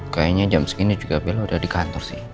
kayaknya jam segini juga bilang udah di kantor sih